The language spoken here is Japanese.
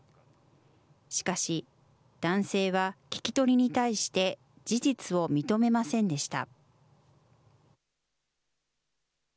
しかし、男性は聞き取りに対して事実を認めませんでした。